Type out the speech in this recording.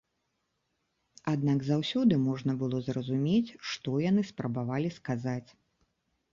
Аднак заўсёды можна было зразумець, што яны спрабавалі сказаць.